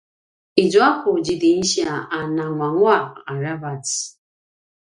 izua ku zidingsiya a nguanguaq aravac